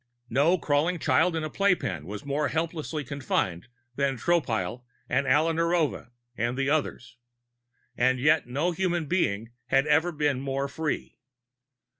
No crawling child in a playpen was more helplessly confined than Tropile and Alla Narova and the others. And yet no human being had ever been more free.